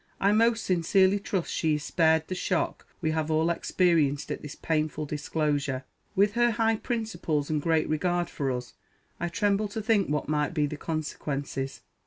_ I most sincerely trust she is spared the shock we have all experienced at this painful _disclosure. _With her high principles, and great regard for us, I tremble to think what might be the consequences!